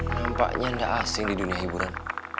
nampaknya tidak asing di dunia hiburan